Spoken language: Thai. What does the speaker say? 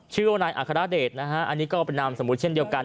ชื่อว่านายอัครเดชนะฮะอันนี้ก็เป็นนามสมมุติเช่นเดียวกัน